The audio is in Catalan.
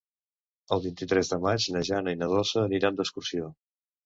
El vint-i-tres de maig na Jana i na Dolça aniran d'excursió.